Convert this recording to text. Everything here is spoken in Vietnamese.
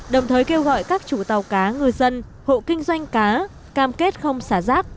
đồng thời kêu gọi các chủ tàu cá ngư dân hộ kinh doanh cá cam kết không xả rác